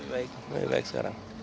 lebih baik lebih baik sekarang